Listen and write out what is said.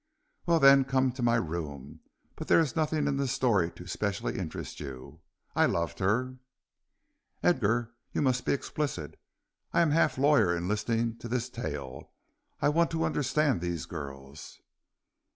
"Well, then, come to my room; but there is nothing in the story to specially interest you. I loved her " "Edgar, you must be explicit. I am half lawyer in listening to this tale; I want to understand these girls."